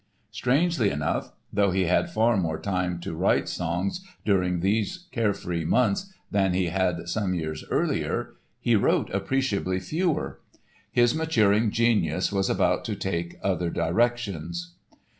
Strangely enough, though he had far more time to write songs during these carefree months than he had some years earlier, he wrote appreciably fewer. His maturing genius was about to take other directions.